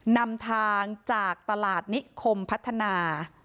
นำทางจากตลาดนิคมพัฒนา